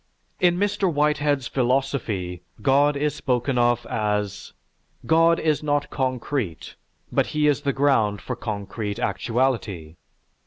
In Mr. Whitehead's philosophy, God is spoken of as, "God is not concrete, but He is the ground for concrete actuality."